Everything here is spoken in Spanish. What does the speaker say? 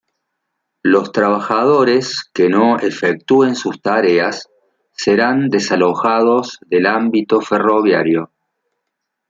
Los trabajadores que no efectúen sus tareas, serán desalojados del ámbito ferroviario.